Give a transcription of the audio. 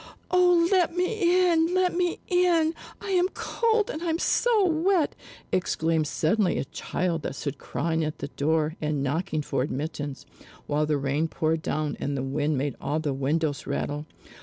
"Oh let me in! Let me in! I am cold, and I'm so wet!" exclaimed suddenly a child that stood crying at the door and knocking for admittance, while the rain poured down, and the wind made all the windows rattle.